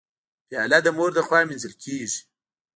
پیاله د مور لخوا مینځل کېږي.